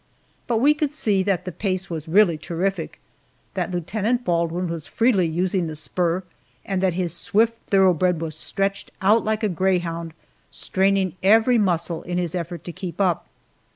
But we could see that the pace was really terrific that Lieutenant Baldwin was freely using the spur, and that his swift thoroughbred was stretched out like a greyhound, straining every muscle in his effort to keep up.